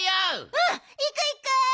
うんいくいく。